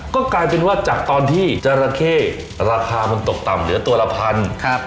ก็กลายเป็นว่าจากตอนที่จราเข้ราคามันตกต่ำเหลือตัวละพันครับ